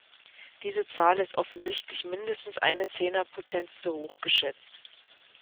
Diese Zahl ist offensichtlich mindestens eine Zehnerpotenz zu hoch geschätzt.